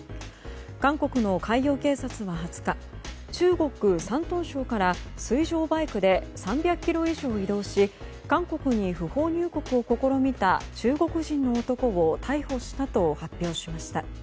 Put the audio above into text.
韓国の海洋警察は２０日中国・山東省から水上バイクで３００ｋｍ以上移動し韓国に不法入国を試みた中国人の男を逮捕したと発表しました。